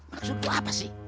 maksud lu apa sih